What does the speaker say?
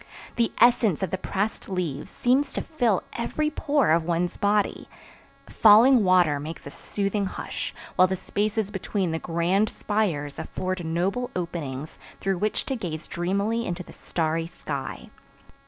The essence of the pressed leaves seems to fill every pore of one's body. Falling water makes a soothing hush, while the spaces between the grand spires afford noble openings through which to gaze dreamily into the starry sky.